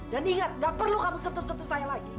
dan ingat gak perlu kamu setuju setuju saya lagi